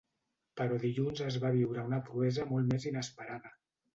Però dilluns es va viure una proesa molt més inesperada.